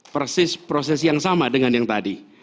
persis proses yang sama dengan yang tadi